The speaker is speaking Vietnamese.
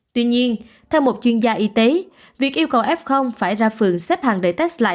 tuy nhiên theo một chuyên gia y tế việc yêu cầu f phải ra phường xếp hàng để test lại